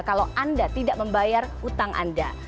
kalau anda tidak membayar hutang anda